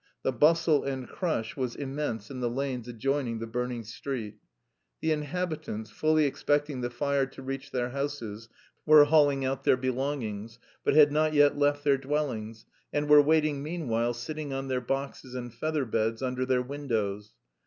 The bustle and crush was immense in the lanes adjoining the burning street. The inhabitants, fully expecting the fire to reach their houses, were hauling out their belongings, but had not yet left their dwellings, and were waiting meanwhile sitting on their boxes and feather beds under their windows.